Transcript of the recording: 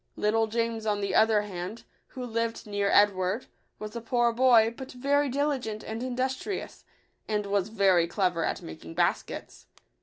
Little James, on the other hand, who lived near Edward, was a poor boy, but very diligent and industrious, and was very clever at making baskets.